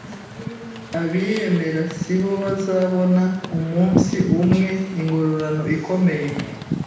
Abiyemera si bo bazabona umunsi umwe ingororano ikomeye